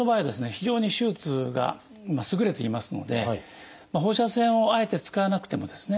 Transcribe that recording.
非常に手術が優れていますので放射線をあえて使わなくてもですね